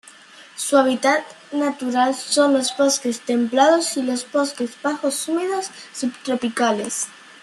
Su hábitat natural son los bosques templados y los bosques bajos húmedos subtropicales.